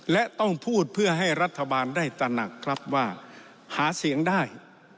และต้องพูดเพื่อให้รัฐบาลได้ตระหนักครับว่าหาเสียงได้